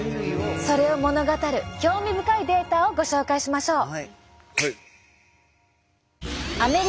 それを物語る興味深いデータをご紹介しましょう。